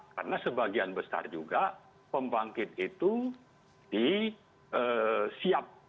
karena sebagian besar juga pembangkit itu disiap